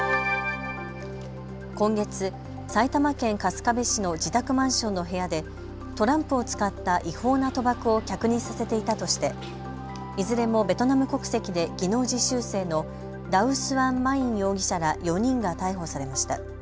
今月、埼玉県春日部市の自宅マンションの部屋でトランプを使った違法な賭博を客にさせていたとしていずれもベトナム国籍で技能実習生のダウ・スアン・マイン容疑者ら４人が逮捕されました。